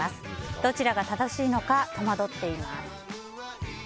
どちらが正しいのか戸惑っています。